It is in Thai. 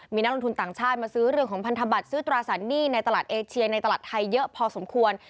มีนักลงทุนต่างชาติมาซื้อเรื่องของพันธบัตรซื้อตราสารหนี้ในตลาดเอเชียในตลาดไทยเยอะพอสมควร